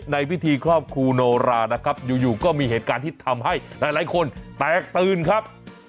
ในพิธีครอบครูโนรานะครับอยู่ก็มีเหตุการณ์ที่ทำให้หลายคนแตกตื่นครับ